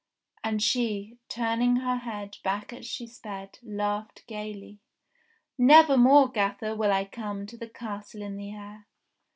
*' And she, turning her head back as she sped, laughed gaily : "Never more, gaffer, will I come to the castle in the air